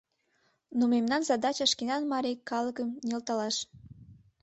Но мемнан задача шкенан марий калыкым нӧлталаш.